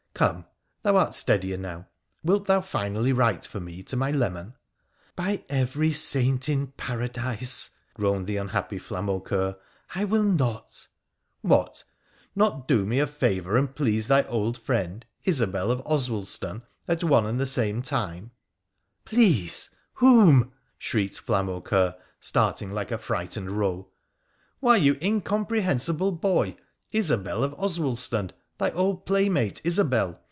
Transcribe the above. ' Come ! thou art steadier now. Wilt thou finally write for me to my leman ?' 'By every saint in Paradise,' groaned the unhappy Flamaucoeur, ' I will not !'' What ! not do me a favour and please thy old friend, Isobel of Oswaldston, at one and the same time ?'' Please whom ?' shrieked Flamaucoeur, starting like a frightened roe. ' Why, you incomprehensible boy, Isobel of Oswaldston, thy old playmate, Isobel.